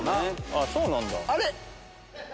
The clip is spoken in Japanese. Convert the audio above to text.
そうなんだ。